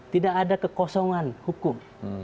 tidak ada kekosongan hukum